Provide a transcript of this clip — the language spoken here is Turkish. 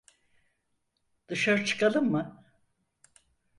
Dışarı çıkalım mı?